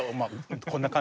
こんな感じ。